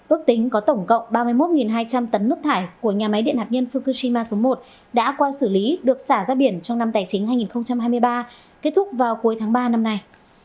ước tính có tổng cộng ba mươi một hai trăm linh tấn nước thải của nhà máy điện hạt nhân fukushima số một đã qua xử lý được xả ra biển trong năm tài chính hai nghìn hai mươi ba kết thúc vào cuối tháng ba năm nay